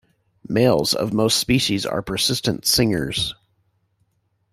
Males of most species are persistent singers.